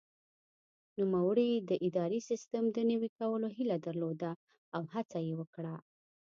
نوموړي د اداري سیسټم د نوي کولو هیله درلوده او هڅه یې وکړه.